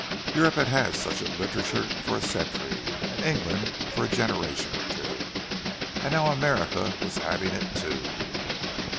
Europe had had such a literature for a century, and England for a generation or two. And now America was having it, too!